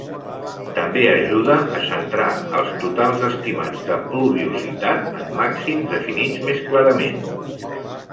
També ajuda a centrar els totals estimats de pluviositat en màxims definits més clarament.